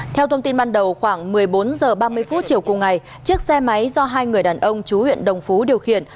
theo thông tin ban đầu khoảng một mươi bốn h ba mươi chiều cùng ngày chiếc xe máy do hai người đàn ông chú huyện đồng phú điều khiển